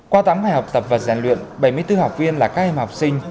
qua tám ngày học tập và rèn luyện bảy mươi bốn học viên là các em học sinh